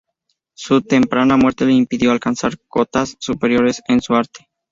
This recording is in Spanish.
Su temprana muerte le impidió alcanzar cotas superiores en su arte.